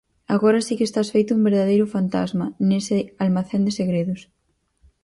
Agora si que estás feito un verdadeiro fantasma nese almacén de segredos.